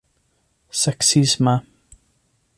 seksisma